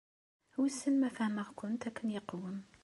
Wissen ma fehmeɣ-kent akken yeqwem.